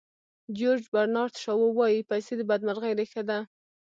جیورج برنارد شاو وایي پیسې د بدمرغۍ ریښه ده.